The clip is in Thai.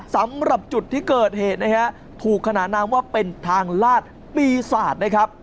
สำหรับจุดที่เกิดเหตุนะฮะถูกขนานนามว่าเป็นทางลาดปีศาจนะครับ